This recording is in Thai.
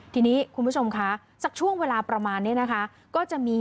ทีนี้คุณผู้ชมคะสักช่วงเวลาประมาณนี้นะคะก็จะมี